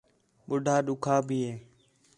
ٻُڈّھا ݙکّھا بھی ہے